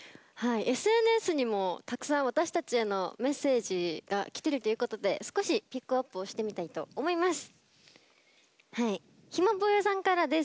ＳＮＳにもたくさん私たちへのメッセージがきてるということで少しピックアップしてみたいと思います。